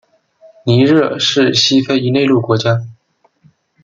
尼日尔是西非一内陆国家。